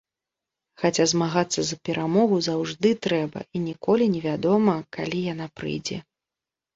Хаця змагацца за перамогу заўжды трэба, і ніколі не вядома, калі яна прыйдзе.